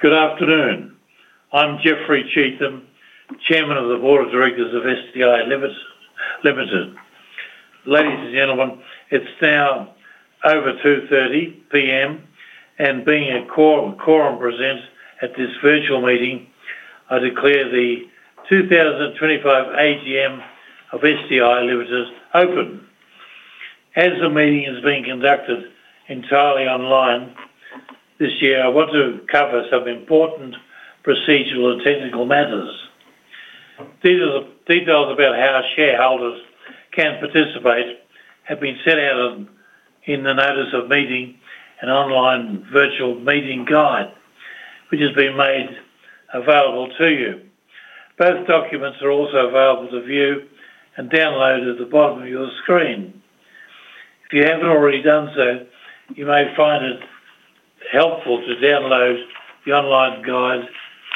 Good afternoon. I'm Jeffery Cheetham, Chairman of the Board of Directors of SDI Limited. Ladies and gentlemen, it's now over 2:30 P.M., and being a quorum present at this virtual meeting, I declare the 2025 AGM of SDI Limited open. As the meeting is being conducted entirely online this year, I want to cover some important procedural and technical matters. Details about how shareholders can participate have been set out in the notice of meeting and online virtual meeting guide, which has been made available to you. Both documents are also available to view and download at the bottom of your screen. If you haven't already done so, you may find it helpful to download the online guide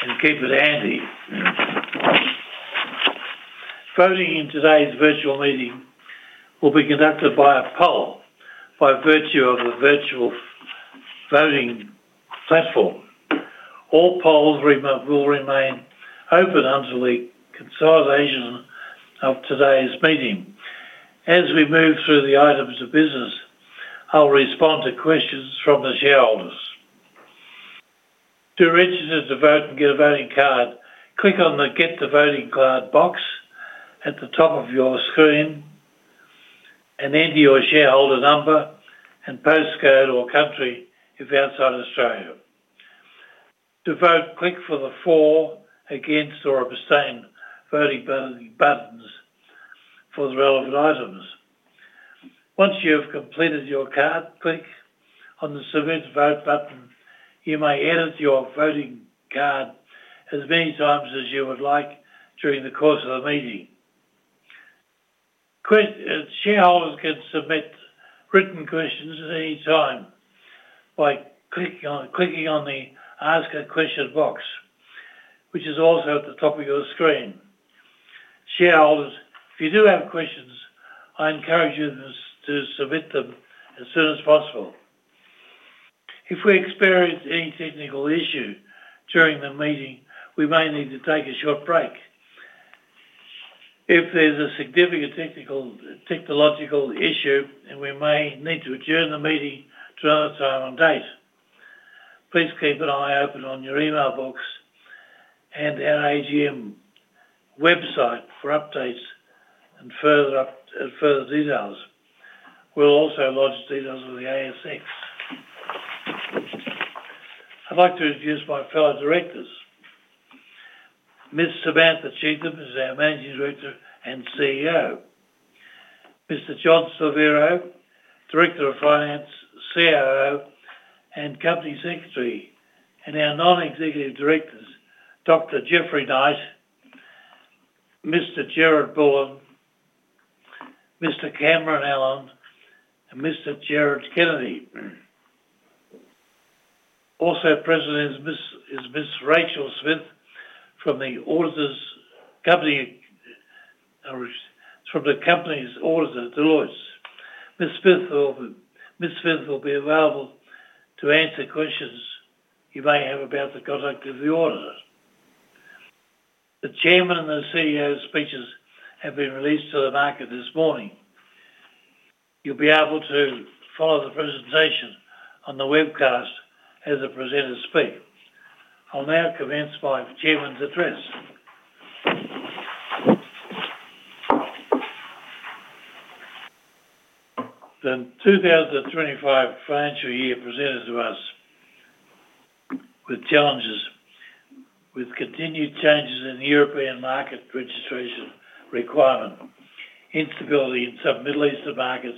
and keep it handy. Voting in today's virtual meeting will be conducted by a poll by virtue of the virtual voting platform. All polls will remain open until the consolidation of today's meeting. As we move through the items of business, I'll respond to questions from the shareholders. To register to vote and get a voting card, click on the "Get the Voting Card" box at the top of your screen, and enter your shareholder number and postcode or country if outside Australia. To vote, click for the "For," "Against," or "Abstain" voting buttons for the relevant items. Once you have completed your card, click on the "Submit Vote" button. You may edit your voting card as many times as you would like during the course of the meeting. Shareholders can submit written questions at any time by clicking on the "Ask a Question" box, which is also at the top of your screen. Shareholders, if you do have questions, I encourage you to submit them as soon as possible. If we experience any technical issue during the meeting, we may need to take a short break. If there's a significant technological issue, we may need to adjourn the meeting to another time and date. Please keep an eye open on your email box and our AGM website for updates and further details. We'll also lodge details with the ASX. I'd like to introduce my fellow directors. Ms. Samantha Cheetham is our Managing Director and CEO. Mr. John Slaviero, Director of Finance, CIO and Company Secretary. Our non-executive directors, Dr. Geoffrey Knight, Mr. Gerald Bullon, Mr. Cameron Allen, and Mr. Jared Kennedy. Also present is Ms. Rachel Smith from the company's auditor, Deloitte. Ms. Smith will be available to answer questions you may have about the conduct of the auditor. The Chairman and the CEO's speeches have been released to the market this morning. You'll be able to follow the presentation on the webcast as the presenters speak. I'll now commence my Chairman's address. The 2025 financial year presents to us with challenges, with continued changes in the European market registration requirement, instability in some Middle Eastern markets,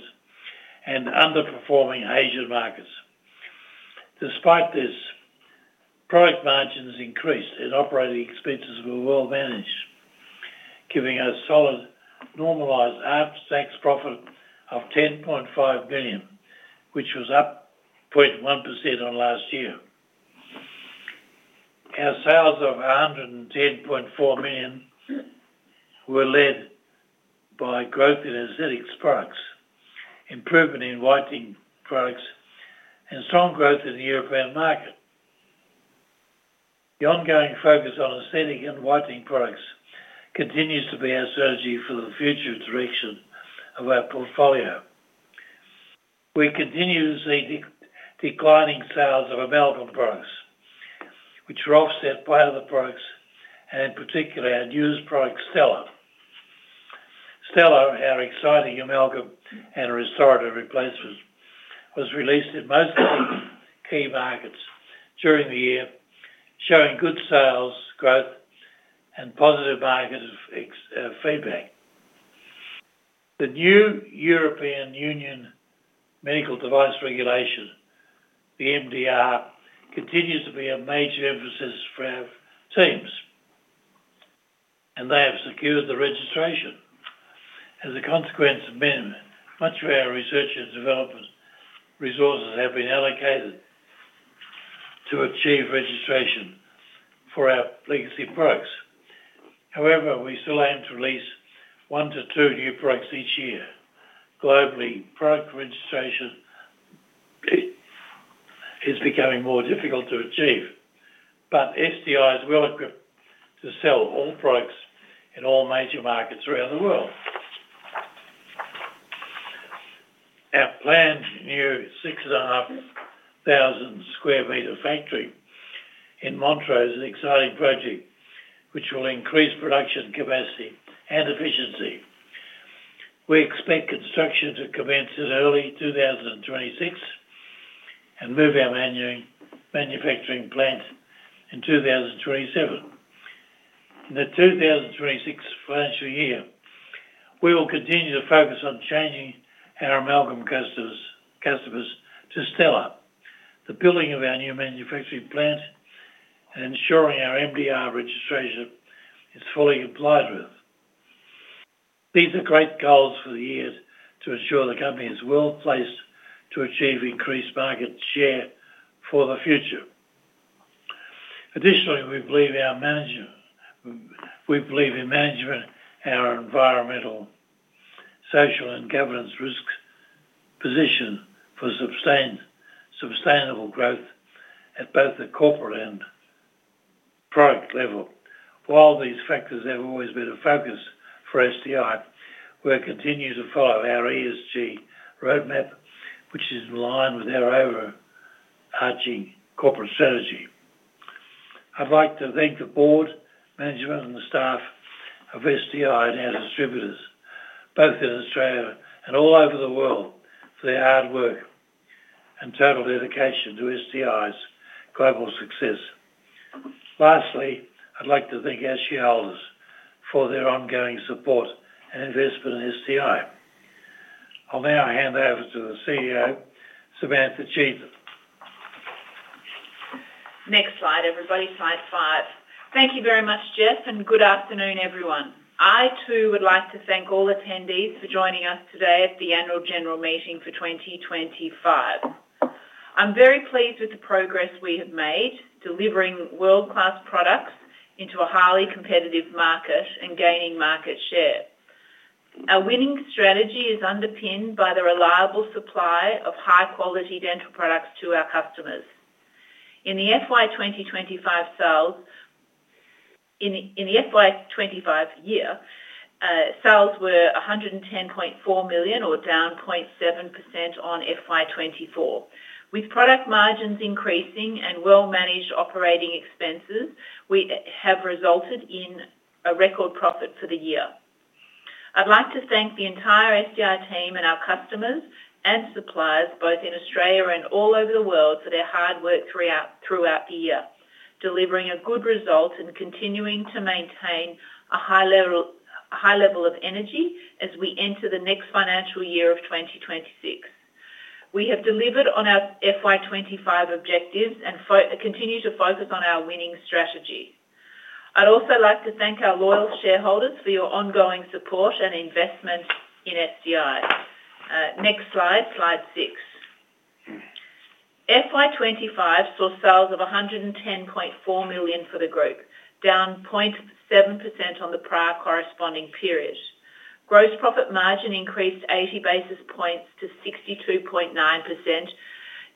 and underperforming Asian markets. Despite this, product margins increased and operating expenses were well managed, giving us solid normalized after-tax profit of 10.5 million, which was up 0.1% on last year. Our sales of 110.4 million were led by growth in aesthetic products, improvement in whitening products, and strong growth in the European market. The ongoing focus on aesthetic and whitening products continues to be our strategy for the future direction of our portfolio. We continue to see declining sales of amalgam products, which are offset by other products, and in particular, our newest product, Stellar. Stellar, our exciting amalgam and a restorative replacement, was released in most of the key markets during the year, showing good sales, growth, and positive market feedback. The new European Union medical device regulation, the MDR, continues to be a major emphasis for our teams, and they have secured the registration. As a consequence, much of our research and development resources have been allocated to achieve registration for our legacy products. However, we still aim to release one to two new products each year. Globally, product registration is becoming more difficult to achieve, but SDI is well equipped to sell all products in all major markets around the world. Our planned new 6,500 sq m factory in Montrose is an exciting project, which will increase production capacity and efficiency. We expect construction to commence in early 2026 and move our manufacturing plant in 2027. In the 2026 financial year, we will continue to focus on changing our amalgam customers to Stellar, the building of our new manufacturing plant, and ensuring our MDR registration is fully complied with. These are great goals for the year to ensure the company is well placed to achieve increased market share for the future. Additionally, we believe our management, our environmental, social, and governance risk position for sustainable growth at both the corporate and product level. While these factors have always been a focus for SDI, we'll continue to follow our ESG roadmap, which is in line with our overarching corporate strategy. I'd like to thank the board, management, and the staff of SDI and our distributors, both in Australia and all over the world, for their hard work and total dedication to SDI's global success. Lastly, I'd like to thank our shareholders for their ongoing support and investment in SDI. I'll now hand over to the CEO, Samantha Cheetham. Next slide, everybody. Slide five. Thank you very much, Jeff, and good afternoon, everyone. I, too, would like to thank all attendees for joining us today at the Annual General Meeting for 2025. I'm very pleased with the progress we have made, delivering world-class products into a highly competitive market and gaining market share. Our winning strategy is underpinned by the reliable supply of high-quality dental products to our customers. In the FY 2025 sales, in the FY 2025 year, sales were 110.4 million, or down 0.7% on FY 2024. With product margins increasing and well-managed operating expenses, we have resulted in a record profit for the year. I'd like to thank the entire SDI team and our customers and suppliers, both in Australia and all over the world, for their hard work throughout the year, delivering a good result and continuing to maintain a high level of energy as we enter the next financial year of 2026. We have delivered on our FY 2025 objectives and continue to focus on our winning strategy. I'd also like to thank our loyal shareholders for your ongoing support and investment in SDI. Next slide, slide six. FY 2025 saw sales of 110.4 million for the group, down 0.7% on the prior corresponding period. Gross profit margin increased 80 basis points to 62.9%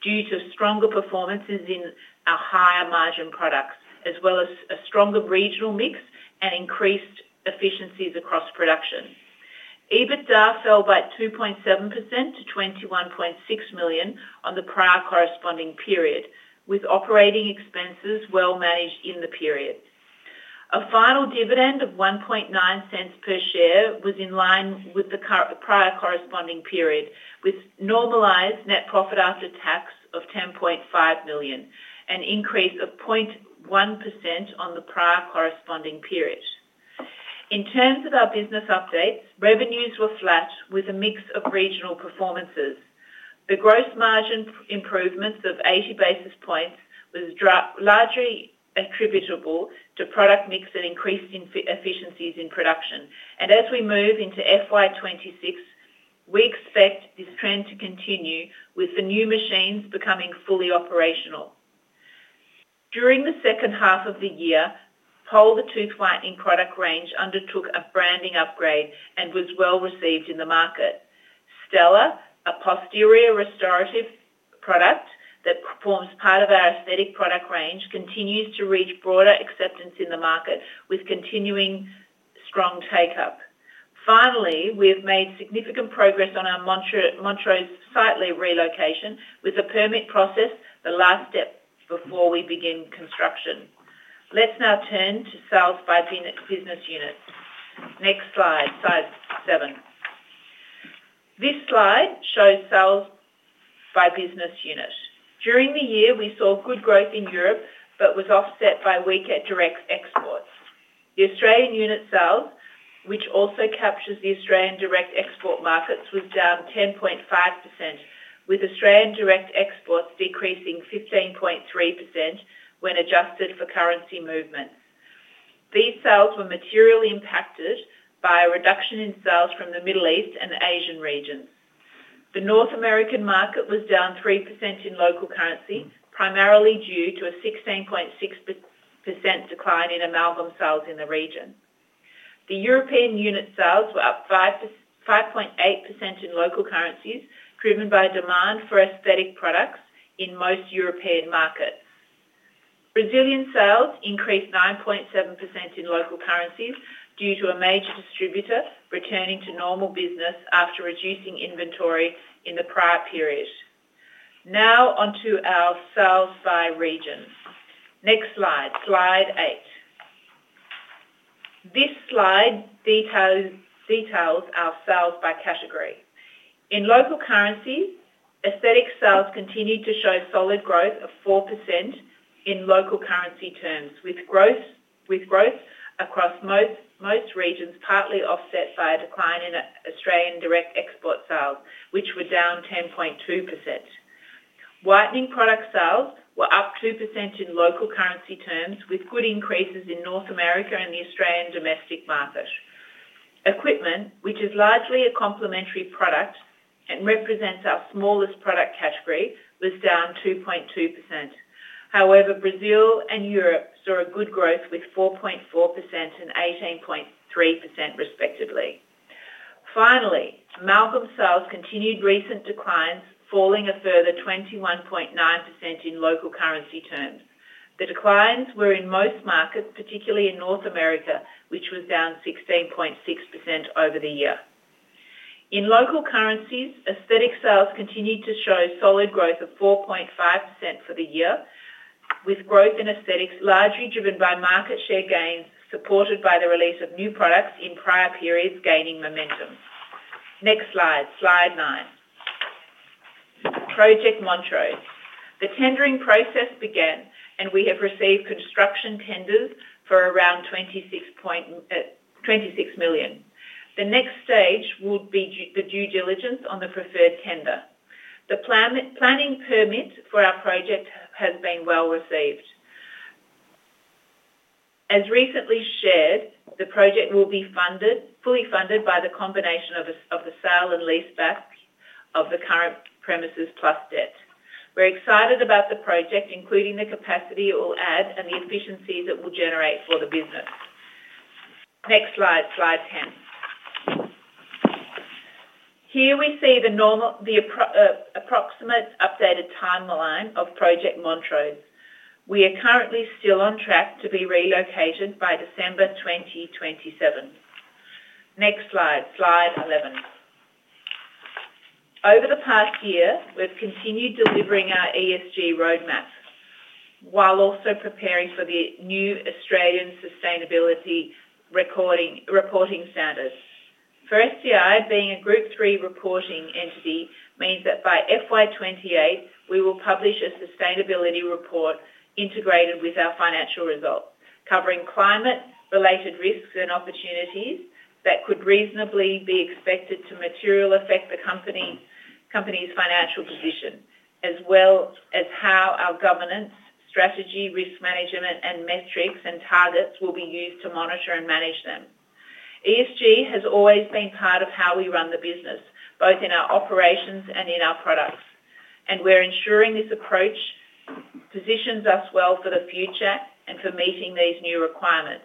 due to stronger performances in our higher margin products, as well as a stronger regional mix and increased efficiencies across production. EBITDA fell by 2.7% to 21.6 million on the prior corresponding period, with operating expenses well managed in the period. A final dividend of 0.019 per share was in line with the prior corresponding period, with normalized net profit after tax of 10.5 million, an increase of 0.1% on the prior corresponding period. In terms of our business updates, revenues were flat with a mix of regional performances. The gross margin improvement of 80 basis points was largely attributable to product mix and increased efficiencies in production. As we move into FY 2026, we expect this trend to continue with the new machines becoming fully operational. During the second half of the year, Pola, the tooth whitening product range, undertook a branding upgrade and was well received in the market. Stellar, a posterior restorative product that forms part of our aesthetic product range, continues to reach broader acceptance in the market with continuing strong take-up. Finally, we have made significant progress on our Montrose site relocation with the permit process, the last step before we begin construction. Let's now turn to sales by business unit. Next slide, slide seven. This slide shows sales by business unit. During the year, we saw good growth in Europe but was offset by weak direct exports. The Australian unit sales, which also captures the Australian direct export markets, was down 10.5%, with Australian direct exports decreasing 15.3% when adjusted for currency movement. These sales were materially impacted by a reduction in sales from the Middle East and Asian region. The North American market was down 3% in local currency, primarily due to a 16.6% decline in amalgam sales in the region. The European unit sales were up 5.8% in local currencies, driven by demand for aesthetic products in most European markets. Brazilian sales increased 9.7% in local currencies due to a major distributor returning to normal business after reducing inventory in the prior period. Now onto our sales by regions. Next slide, slide eight. This slide details our sales by category. In local currencies, aesthetic sales continued to show solid growth of 4% in local currency terms, with growth across most regions partly offset by a decline in Australian direct export sales, which were down 10.2%. Whitening product sales were up 2% in local currency terms, with good increases in North America and the Australian domestic market. Equipment, which is largely a complementary product and represents our smallest product category, was down 2.2%. However, Brazil and Europe saw good growth with 4.4% and 18.3%, respectively. Finally, amalgam sales continued recent declines, falling a further 21.9% in local currency terms. The declines were in most markets, particularly in North America, which was down 16.6% over the year. In local currencies, aesthetic sales continued to show solid growth of 4.5% for the year, with growth in aesthetics largely driven by market share gains, supported by the release of new products in prior periods gaining momentum. Next slide, slide nine. Project Montrose. The tendering process began, and we have received construction tenders for around 26 million. The next stage will be the due diligence on the preferred tender. The planning permit for our project has been well received. As recently shared, the project will be fully funded by the combination of the sale and lease balance of the current premises plus debt. We're excited about the project, including the capacity it will add and the efficiency that will generate for the business. Next slide, slide 10. Here we see the approximate updated timeline of Project Montrose. We are currently still on track to be relocated by December 2027. Next slide, slide 11. Over the past year, we've continued delivering our ESG roadmap while also preparing for the new Australian sustainability reporting standards. For SDI, being a Group 3 reporting entity means that by FY 2028, we will publish a sustainability report integrated with our financial results, covering climate-related risks and opportunities that could reasonably be expected to materially affect the company's financial position, as well as how our governance, strategy, risk management, and metrics and targets will be used to monitor and manage them. ESG has always been part of how we run the business, both in our operations and in our products, and we're ensuring this approach positions us well for the future and for meeting these new requirements.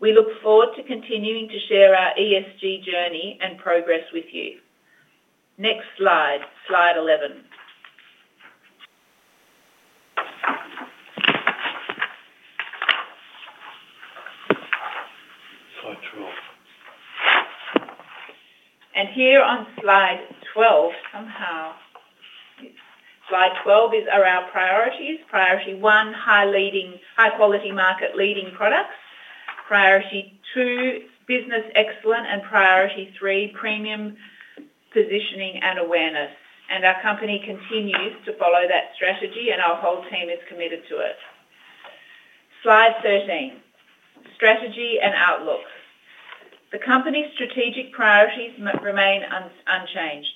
We look forward to continuing to share our ESG journey and progress with you. Next slide, slide 11. Here on slide 12, slide 12 is our priorities. Priority one, high-quality market leading product. Priority two, business excellent, and priority three, premium positioning and awareness. Our company continues to follow that strategy, and our whole team is committed to it. Slide 13, strategy and outlook. The company's strategic priorities remain unchanged.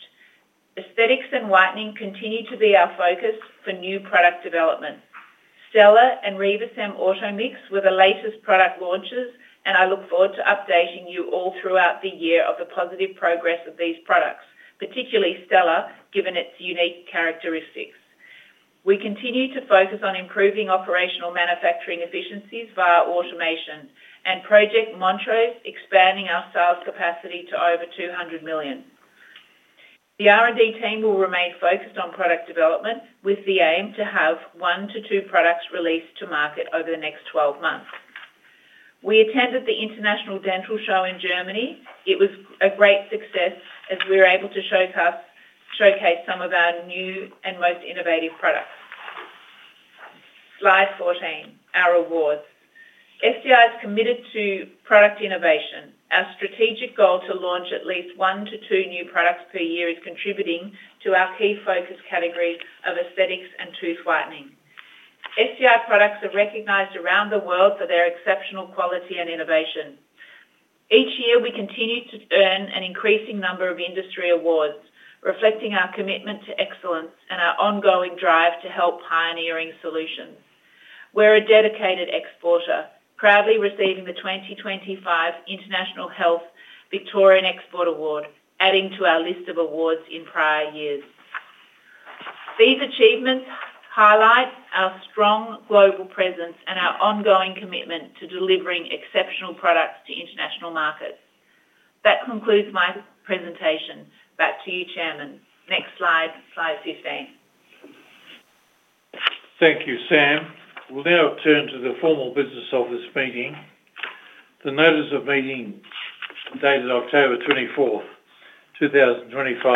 Aesthetics and whitening continue to be our focus for new product development. Stellar and Riva Cem Automix were the latest product launches, and I look forward to updating you all throughout the year of the positive progress of these products, particularly Stellar, given its unique characteristics. We continue to focus on improving operational manufacturing efficiencies via automation and Project Montrose, expanding our sales capacity to over 200 million. The R&D team will remain focused on product development with the aim to have one to two products released to market over the next 12 months. We attended the International Dental Show in Germany. It was a great success as we were able to showcase some of our new and most innovative products. Slide 14, our awards. SDI is committed to product innovation. Our strategic goal to launch at least one to two new products per year is contributing to our key focus category of aesthetics and tooth whitening. SDI products are recognized around the world for their exceptional quality and innovation. Each year, we continue to earn an increasing number of industry awards, reflecting our commitment to excellence and our ongoing drive to help pioneering solutions. We're a dedicated exporter, proudly receiving the 2025 International Health Victorian Export Award, adding to our list of awards in prior years. These achievements highlight our strong global presence and our ongoing commitment to delivering exceptional products to international markets. That concludes my presentation. Back to you, Chairman. Next slide, slide 15. Thank you, Sam. We'll now turn to the formal business of this meeting. The notice of meeting dated October 24, 2025,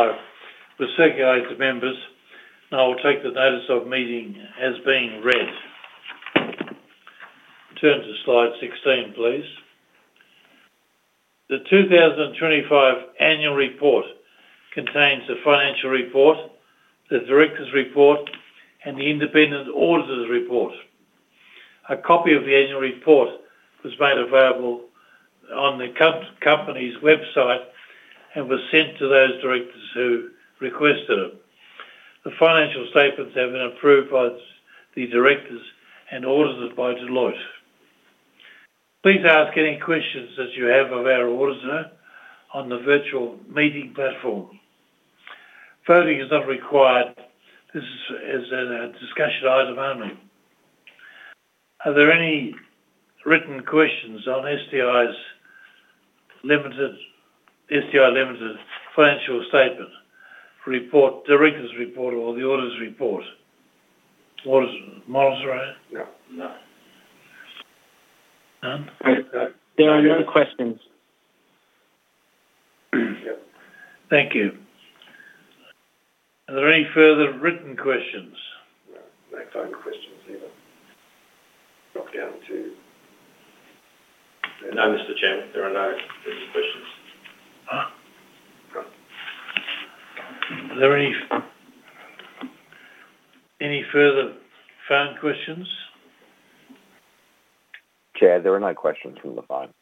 was circulated to members, and I will take the notice of meeting as being read. Turn to slide 16, please. The 2025 annual report contains the financial report, the director's report, and the independent auditor's report. A copy of the annual report was made available on the company's website and was sent to those directors who requested it. The financial statements have been approved by the directors and audited by Deloitte. Please ask any questions that you have of our auditor on the virtual meeting platform. Voting is not required. This is a discussion item only. Are there any written questions on SDI Limited financial statement, report, director's report, or the auditor's report? Montrose. There are no questions. Thank you. Are there any further written questions? No further questions either. Look down to.No, Mr. Chairman, there are no further questions. Are there any further phone questions? Chair, there are no questions from the phone.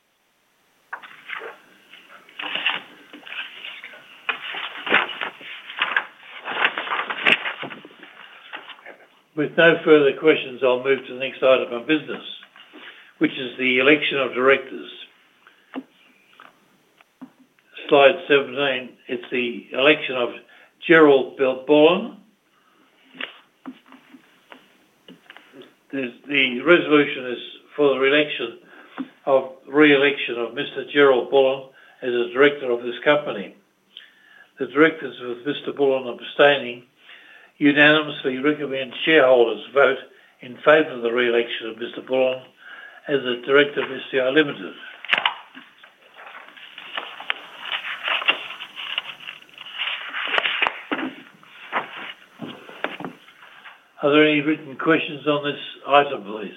With no further questions, I'll move to the next item of business, which is the election of directors. Slide 17, it's the election of Gerald Bullon. The resolution is for the re-election of Mr. Gerald Bullon as a director of this company. The directors, with Mr. Bullon abstaining, unanimously recommend shareholders vote in favor of the re-election of Mr. Bullon as the director of SDI Limited. Are there any written questions on this item, please?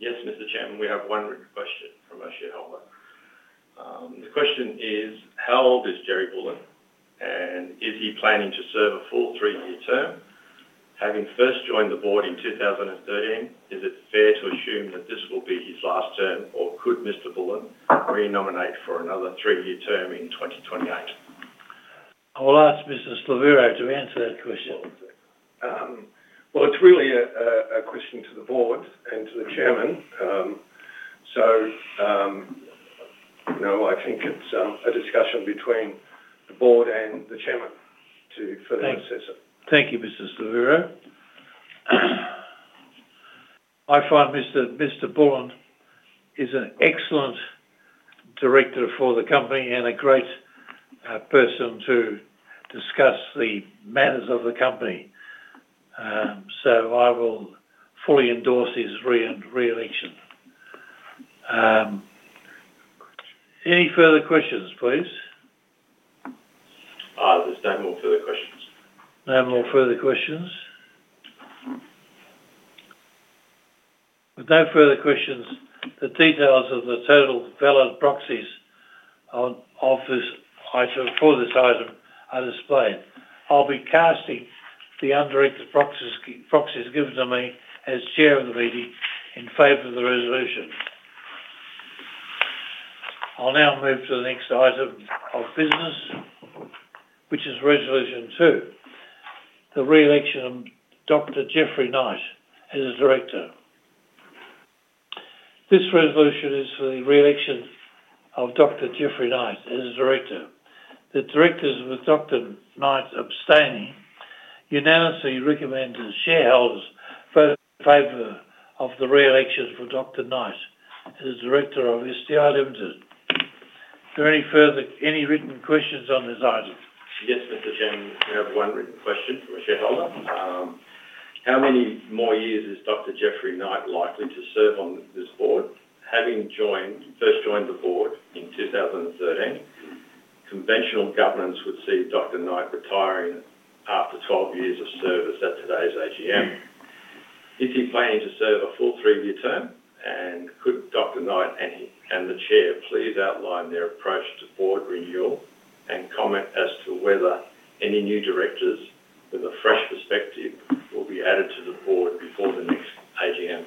Yes, Mr. Chairman, we have one written question from a shareholder. The question is, how old is Gerald Bullon, and is he planning to serve a full three-year term? Having first joined the board in 2013, is it fair to assume that this will be his last term, or could Mr. Bullon re-nominate for another three-year term in 2028? I'll ask Mr. Slaviero to answer that question. It's really a question to the board and to the chairman. I think it's a discussion between the board and the chairman to further assess it. Thank you, Mr. Slaviero. I find Mr. Bullon is an excellent director for the company and a great person to discuss the matters of the company. I will fully endorse his re-election. Any further questions, please? There's no more further questions. No more further questions. With no further questions, the details of the total valid proxies of this item for this item are displayed. I'll be casting the undirected proxies given to me as Chair of the meeting in favor of the resolution. I'll now move to the next item of business, which is resolution two, the re-election of Dr. Geoffrey Knight as a director. This resolution is for the re-election of Dr. Geoffrey Knight as a director. The directors, with Dr. Knight abstaining, unanimously recommend the shareholders' favor of the re-election for Dr. Knight as director of SDI Limited. Is there any written questions on this item? Yes, Mr. Chairman, we have one written question to a shareholder. How many more years is Dr. Geoffrey Knight likely to serve on this board? Having first joined the board in 2013, conventional governance would see Dr. Knight retiring after 12 years of service at today's AGM. Is he planning to serve a full three-year term? Could Dr. Knight and the chair please outline their approach to board renewal and comment as to whether any new directors with a fresh perspective will be added to the board before the next AGM?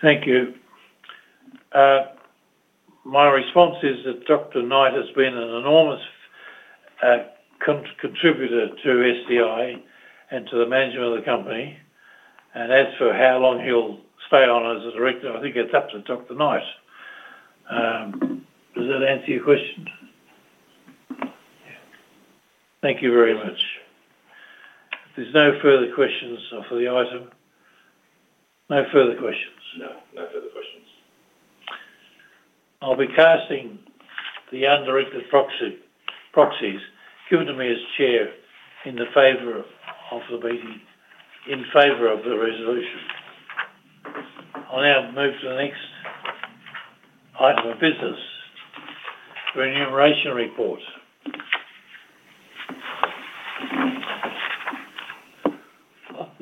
Thank you. My response is that Dr. Knight has been an enormous contributor to SDI and to the management of the company. As for how long he'll stay on as a director, I think it's up to Dr. Knight. Does that answer your question? Thank you very much. There's no further questions for the item. No further questions. No, no further questions. I'll be casting the undirected proxies given to me as Chair in favor of the meeting, in favor of the resolution. I'll now move to the next item of business, the remuneration report.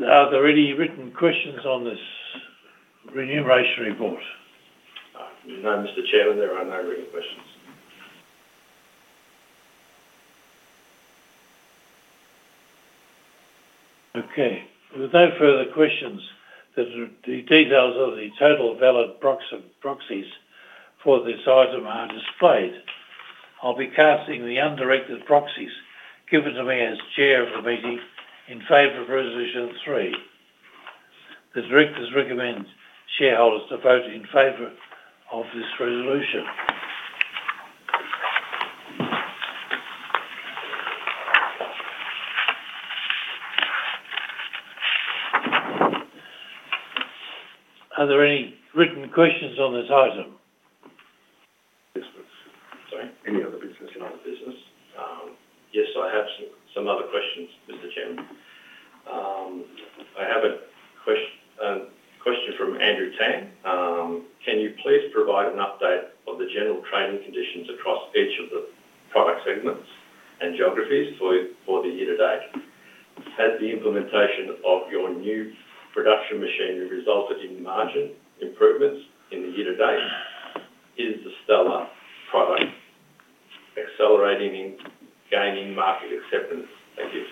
Are there any written questions on the remuneration report? No, Mr. Chairman, there are no written questions. Okay. With no further questions, the details of the total valid proxies for this item are displayed. I'll be casting the undirected proxies given to me as Chair of the meeting in favor of resolution three. The directors recommend shareholders to vote in favor of this resolution. Are there any written questions on this item? Yes, Mr. Chairman. Any other business? Yes, I have some other questions, Mr. Chairman. I have a question from Andrew Tang. Can you please provide an update of the general trading conditions across each of the product segments and geographies for the year to date? Has the implementation of your new production machinery resulted in margin improvements in the year to date? Is the Stellar product accelerating in gaining market acceptance? Thank you.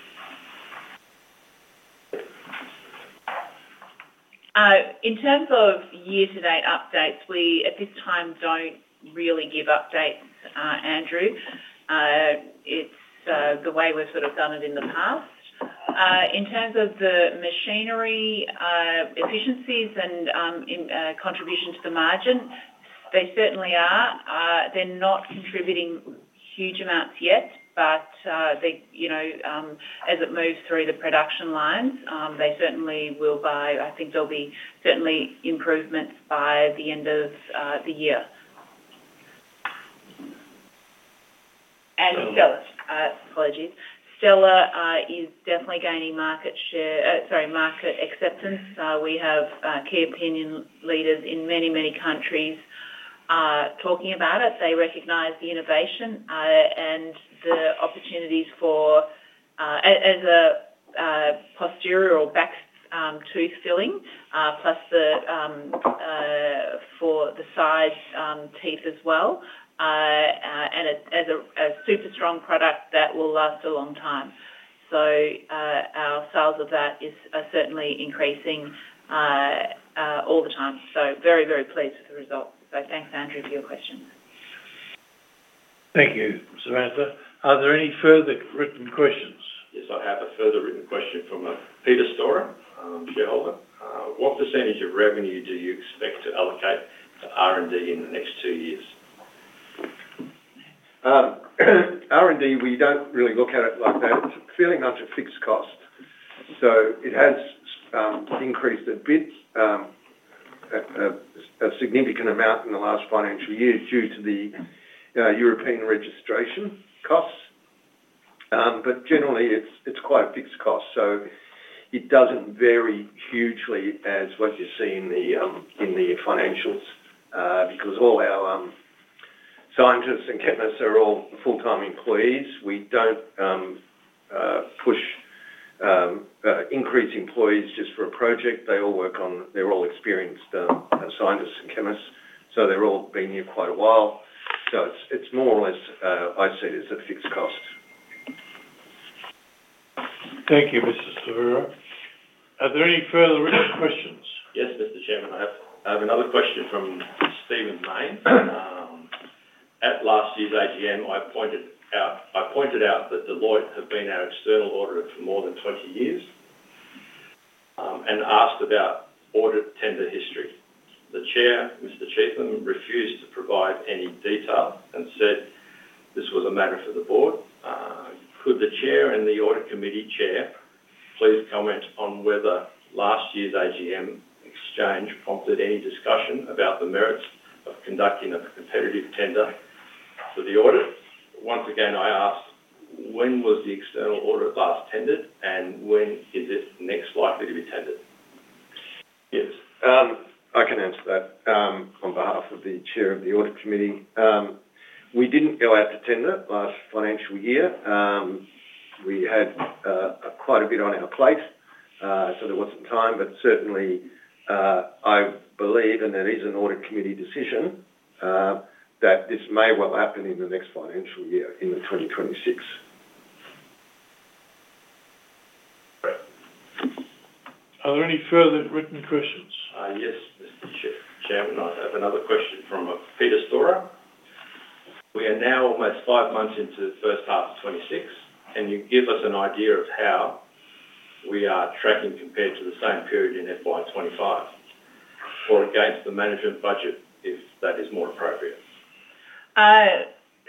In terms of year-to-date updates, we at this time don't really give updates, Andrew. It's the way we've sort of done it in the past. In terms of the machinery efficiencies and contribution to the margin, they certainly are. They're not contributing huge amounts yet, but as it moves through the production line, they certainly will. I think there'll be certainly improvements by the end of the year. Stellar, apologies. Stellar is definitely gaining market acceptance. We have key opinion leaders in many, many countries talking about it. They recognize the innovation and the opportunities for posterior or back tooth filling, plus for the side teeth as well. It's a super strong product that will last a long time. Our sales of that are certainly increasing all the time. Very, very pleased with the result. Thanks, Andrew, for your questions. Thank you, Samantha. Are there any further written questions? Yes, I have a further written question from Peter Storer, shareholder. What percentage of revenue do you expect to allocate for R&D in the next two years? R&D, we do not really look at it like that. It is really not a fixed cost. It has increased a bit, a significant amount in the last financial years due to the European registration costs. Generally, it is quite a fixed cost. It does not vary hugely as what you see in the financials because all our scientists and chemists are all full-time employees. We do not push increase employees just for a project. They all work on, they are all experienced scientists and chemists. They have all been here quite a while. It is more or less, I see it as a fixed cost. Thank you, Mr. Slaviero. Are there any further written questions? Yes, Mr. Chairman. I have another question from Stephen Lane. At last year's AGM, I pointed out that Deloitte had been our external auditor for more than 20 years and asked about audit tender history. The Chair, Mr. Cheetham, refused to provide any detail and said this was a matter for the Board. Could the Chair and the Audit Committee Chair please comment on whether last year's AGM exchange prompted any discussion about the merits of conducting a competitive tender for the audit? Once again, I ask, when was the external audit last tendered and when is it next likely to be tendered? Yes, I can answaer that on behalf of the Chair of the Audit Committee. We didn't go out to tender last financial year. We had quite a bit on our plate, so there wasn't time. Certainly, I believe and it is an Audit Committee decision that this may well happen in the next financial year, in 2026. Are there any further written questions? Yes, Mr. Chairman. I have another question from Peter Storer. We are now about five months into the first half of 2026. Can you give us an idea of how we are tracking compared to the same period in 2025 or against the management budget, if that is more appropriate?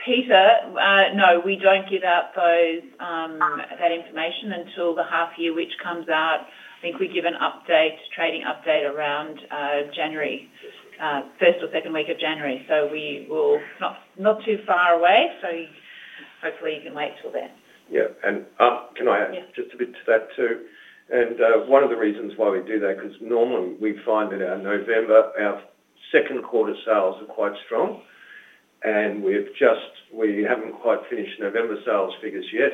Peter, no, we don't give out that information until the half-year which comes out. I think we give an update, trading update around January, first or second week of January. We will not too far away. Hopefully, you can wait till then. Yeah. Can I add just a bit to that too? One of the reasons why we do that, because normally we find in our November, our second quarter sales are quite strong. We haven't quite finished November sales figures yet.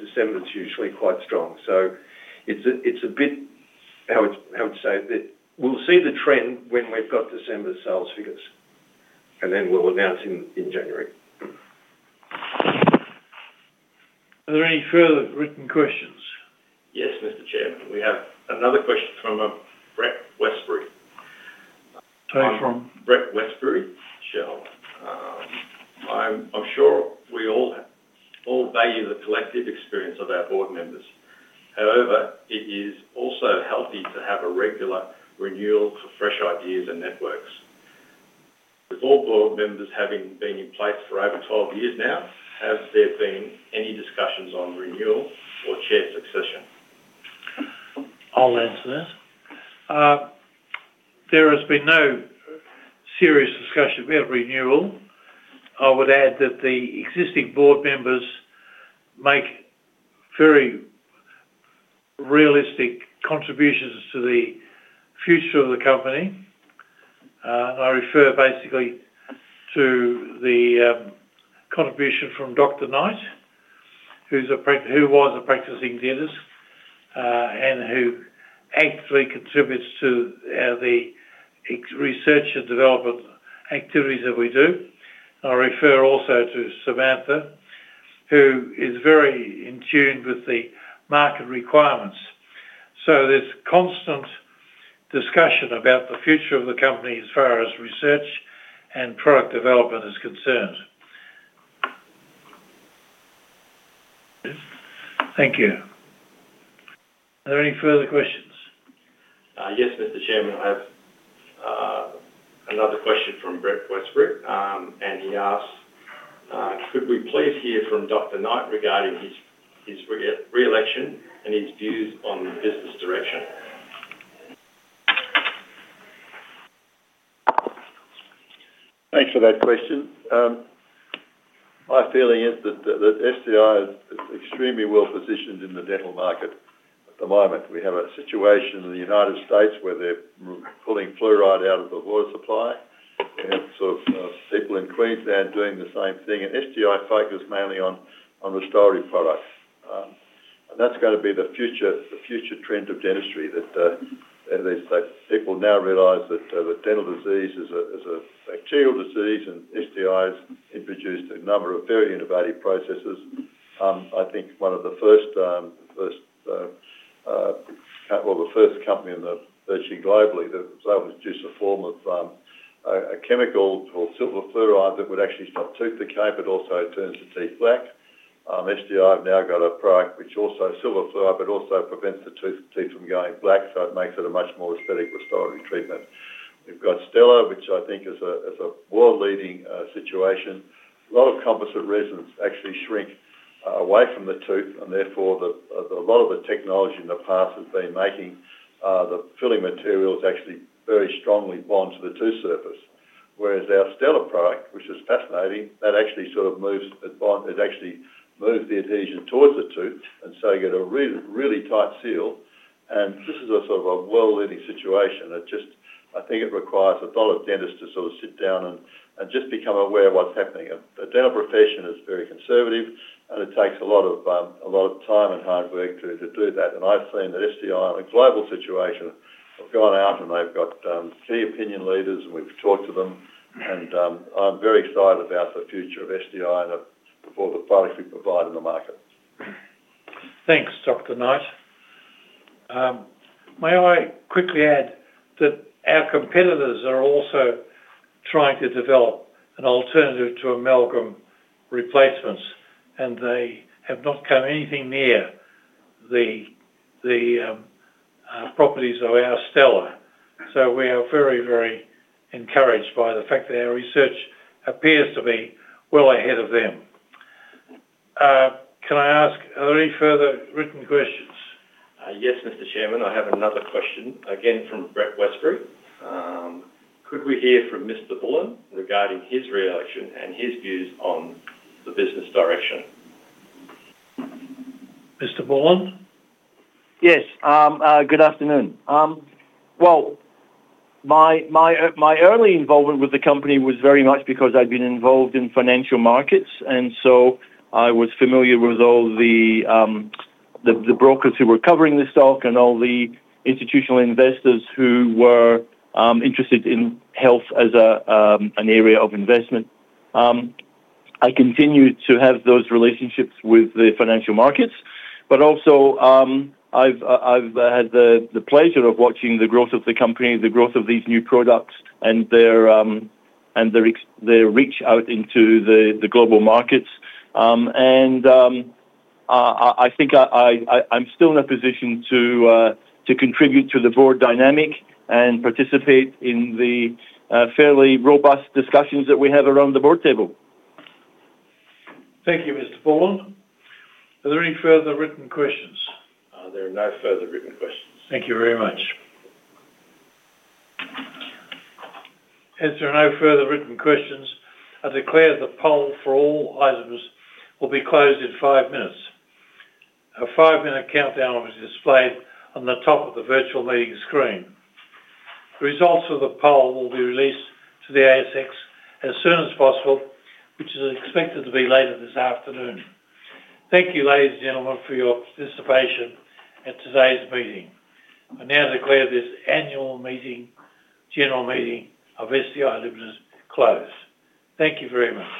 December's usually quite strong. It's a bit, how would you say, we'll see the trend when we've got December sales figures. Then we'll announce in January. Are there any further written questions? Yes, Mr. Chairman. We have another question from Brett Westbury. Thanks from. Brett Westbury. Shell. I'm sure we all value the collective experience of our board members. However, it is also healthy to have a regular renewal for fresh ideas and networks. With all board members having been in place for over 12 years now, have there been any discussions on renewal or chair succession? I'll answer that. There has been no serious discussion about renewal. I would add that the existing board members make very realistic contributions to the future of the company. I refer basically to the contribution from Dr. Knight, who was a practicing dentist and who actually contributes to the research and development activities that we do. I refer also to Samantha, who is very in tune with the market requirements. There is constant discussion about the future of the company as far as research and product development is concerned. Thank you. Are there any further questions? Yes, Mr. Chairman. I have another question from Brett Westbury. He asks, could we please hear from Dr. Knight regarding his re-election and his views on the business direction? Thanks for that question. My feeling is that SDI is extremely well positioned in the dental market at the moment. We have a situation in the United States where they're pulling fluoride out of the water supply. We have sort of people in Queensland doing the same thing. SDI focuses mainly on restorative products. That is going to be the future trend of dentistry. People now realize that dental disease is a bacterial disease and SDI has introduced a number of very innovative processes. I think one of the first, well, the first company globally that was able to produce a form of a chemical called silver fluoride that would actually stop tooth decay, but also turns the teeth black. SDI have now got a product which also silver fluoride, but also prevents the tooth from going black. It makes it a much more aesthetic restorative treatment. We've got Stellar, which I think is a world-leading situation. A lot of composite resins actually shrink away from the tooth. Therefore, a lot of the technology in the past has been making the filling materials actually very strongly bond to the tooth surface. Whereas our Stellar product, which is fascinating, actually sort of moves the adhesion towards the tooth. You get a really tight seal. This is a sort of a world-leading situation. I think it requires a lot of dentists to sort of sit down and just become aware of what's happening. The dental profession is very conservative. It takes a lot of time and hard work to do that. I've seen that SDI in a global situation have gone out and they've got key opinion leaders and we've talked to them. I am very excited about the future of SDI and of all the products we provide in the market. Thanks, Dr. Knight. May I quickly add that our competitors are also trying to develop an alternative to amalgam replacements. They have not come anything near the properties of our Stellar. We are very, very encouraged by the fact that our research appears to be well ahead of them. Can I ask, are there any further written questions? Yes, Mr. Chairman. I have another question, again from Brett Westbury. Could we hear from Mr. Bullon regarding his re-election and his views on the business direction? Mr. Bullon? Yes. Good afternoon. My early involvement with the company was very much because I'd been involved in financial markets. I was familiar with all the brokers who were covering the stock and all the institutional investors who were interested in health as an area of investment. I continue to have those relationships with the financial markets. I have had the pleasure of watching the growth of the company, the growth of these new products, and their reach out into the global markets. I think I'm still in a position to contribute to the board dynamic and participate in the fairly robust discussions that we have around the board table. Thank you, Mr. Bullon. Are there any further written questions? There are no further written questions. Thank you very much. Is there no further written questions? I declare the poll for all items will be closed in five minutes. A five-minute countdown will be displayed on the top of the virtual meeting screen. The results of the poll will be released to the ASX as soon as possible, which is expected to be later this afternoon. Thank you, ladies and gentlemen, for your participation at today's meeting. I now declare this annual meeting, general meeting of SDI Limited closed. Thank you very much.